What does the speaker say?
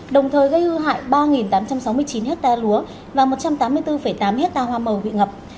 đồng thời gây hư hại ba tám trăm sáu mươi chín ha lúa và một trăm tám mươi bốn tám ha hoa màu bị ngập